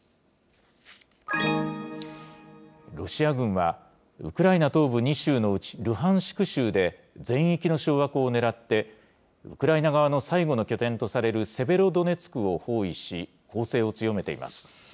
ロシア軍は、ウクライナ東部２州のうちルハンシク州で全域の掌握をねらって、ウクライナ側の最後の拠点とされるセベロドネツクを包囲し、攻勢を強めています。